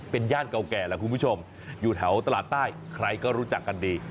เป็นย่านเก่าแก่แหละคุณผู้ชมอยู่แถวตลาดใต้ใครก็รู้จักกันดี